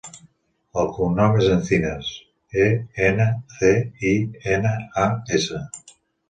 El cognom és Encinas: e, ena, ce, i, ena, a, essa.